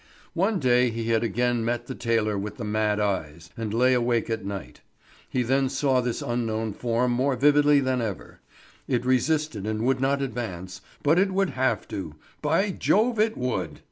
One day he had again met the tailor with the mad eyes, and lay awake at night. He then saw this unknown form more vividly than ever; it resisted and would not advance, but it would have to, by Jove it would!